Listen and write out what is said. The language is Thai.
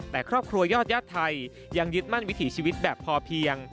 แต่ครอบครัวยอดญาติไทยยังยึดมั่นวิถีชีวิตแบบพอเพียง